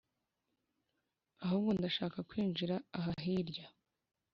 ahubwo ndashaka kwinjira ahahirya